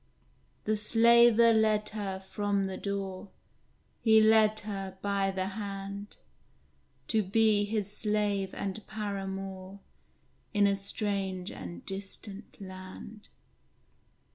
The Slaver led her from the door, He led her by the hand, To be his slave and paramour In a strange and distant land!